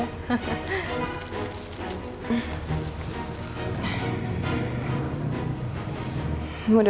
semoga anak ini selamat ya